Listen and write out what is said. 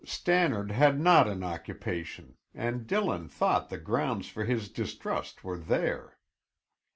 Stannard had not an occupation and Dillon thought the grounds for his distrust were there.